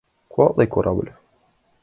Куатле корабль!